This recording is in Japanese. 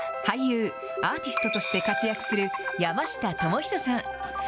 俳優、アーティストとして活躍する山下智久さん。